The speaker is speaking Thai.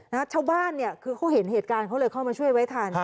ชาวบ้านเนี่ยคือเขาเห็นเหตุการณ์เขาเลยเข้ามาช่วยไว้ทัน